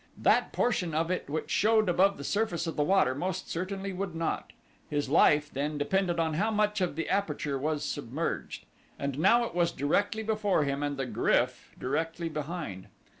That portion of it which showed above the surface of the water most certainly would not. His life, then, depended upon how much of the aperture was submerged. And now it was directly before him and the GRYF directly behind.